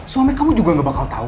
suhamid kamu juga gak bakal tau